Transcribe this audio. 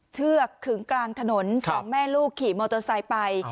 เชือกขึงกลางถนนสองแม่ลูกขี่มอเตอร์ไซค์ไป